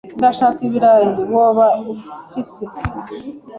Ndashaka ibirayi. Woba ufise?